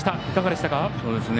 いかがでしたか。